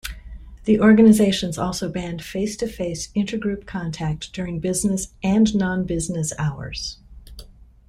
The organizations also banned face-to-face intergroup contact during business and non-business hours.